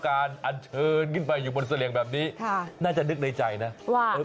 เขาได้รับการอัดเชิญขึ้นไปอยู่บนเสรียงแบบนี้ค่ะน่าจะนึกในใจนะว่า